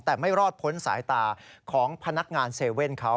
แต่ไม่รอดภนศาสตร์สายตาของพนักงาน๗๑๑เขา